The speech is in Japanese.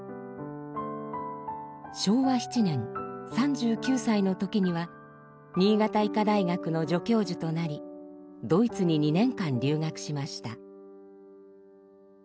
昭和７年３９歳の時には新潟医科大学の助教授となりドイツに２年間留学しました。